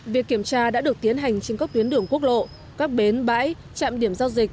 việc kiểm tra đã được tiến hành trên các tuyến đường quốc lộ các bến bãi trạm điểm giao dịch